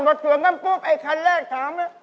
พอถึงก็ปุ๊บไอ้ครรภ์๑ถาม